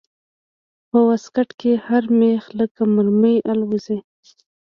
په واسکټ کښې هر مېخ لکه مرمۍ الوزي.